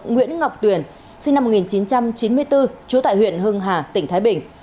nguyễn ngọc tuyền sinh năm một nghìn chín trăm chín mươi bốn trú tại huyện hưng hà tỉnh thái bình